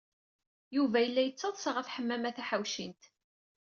Yuba yella yettaḍsa ɣef Ḥemmama Taḥawcint.